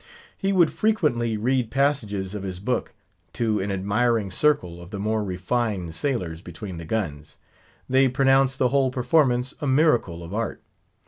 He would frequently read passages of his book to an admiring circle of the more refined sailors, between the guns. They pronounced the whole performance a miracle of art.